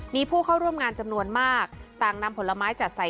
มีผู้เข้าร่วมงานจำนวนมากต่างนำผลไม้จัดใส่